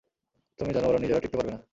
তুমি জানো ওরা নিজেরা টিকতে পারবে না।